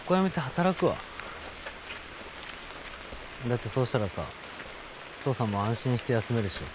だってそうしたらさ父さんも安心して休めるでしょ。